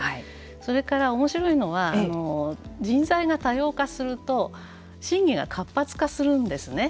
それから、おもしろいのは人材が多様化すると審議が活発化するんですね。